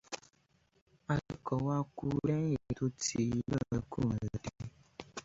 Akẹ́kọ̀ọ́ wa kú lẹ́yìn tó ti ilé ọ̀rẹ́kùnrin rẹ̀ dé.